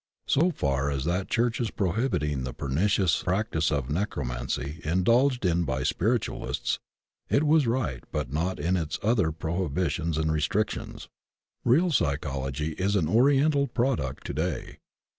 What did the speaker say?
So far as that Church's prohibiting the pernicious practice of necromancy indulged in by spiritualists" it was right but not in its other pro hibitions and restrictions. Real psychology is an Oriental product to day.